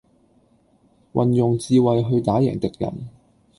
運用智慧去打贏敵人